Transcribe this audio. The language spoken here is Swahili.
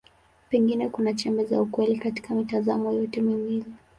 Pengine kuna chembe za ukweli katika mitazamo yote miwili.